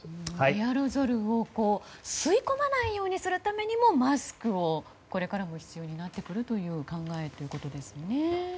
エアロゾルを吸い込まないようにするためにマスクがこれからも必要になるという考えということですよね。